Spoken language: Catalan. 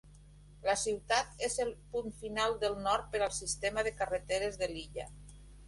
La ciutat és el punt final del nord per al sistema de carreteres de l'illa.